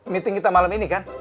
meeting kita malam ini kan